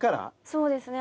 そうですね。